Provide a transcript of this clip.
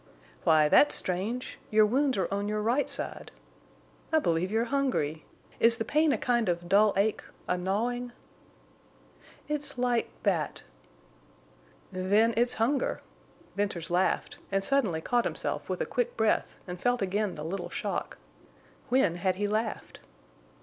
"Why, that's strange! Your wounds are on your right side. I believe you're hungry. Is the pain a kind of dull ache—a gnawing?" "It's like—that." "Then it's hunger." Venters laughed, and suddenly caught himself with a quick breath and felt again the little shock. When had he laughed?